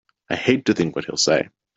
I hate to think what he'll say!